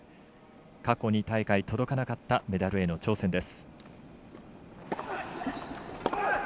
過去２大会届かなかったメダルへの挑戦です。